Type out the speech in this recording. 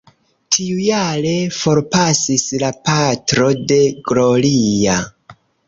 Tiujare, forpasis la patro de Gloria.